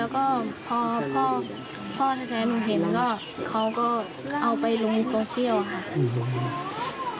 ค่ะพ่อแท้แท้หนูเห็นเขาไปโซเชียลคะ